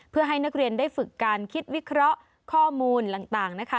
เพื่อให้นักเรียนได้ฝึกการคิดวิเคราะห์ข้อมูลต่างนะคะ